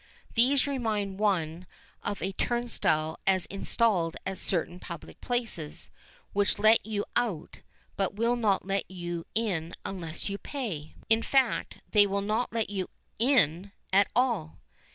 These remind one of a turnstile as installed at certain public places, which let you out but will not let you in unless you pay. In fact they will not let you in at all.